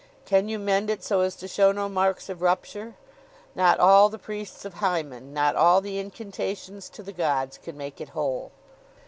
Can you mend it so as to show no marks of rupture? Not all the priests of Hymen, not all the incantations to the gods, can make it whole!